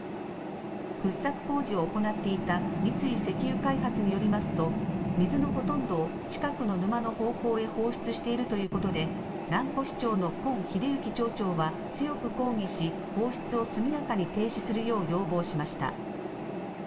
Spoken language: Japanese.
掘削工事を行っていた三井石油開発によりますと水のほとんどを近くの沼の方向へ放出しているということで蘭越町の金秀行孝町長は強く抗議し放出を速やかに停止するよう要望しました。